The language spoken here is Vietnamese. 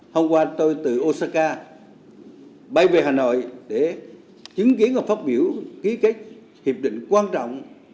hôm qua tôi từ osaka bay về hà nội để chứng kiến và phát biểu ký kết hiệp định quan trọng